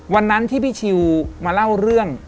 วันนั้นที่พี่ชิวมาเล่าเรื่อง